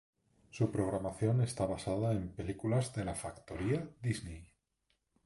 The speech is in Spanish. Su programación está basada en películas de la factoría Disney.